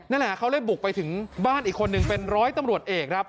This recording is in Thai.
นั่นแหละเขาเลยบุกไปถึงบ้านอีกคนนึงเป็นร้อยตำรวจเอกครับ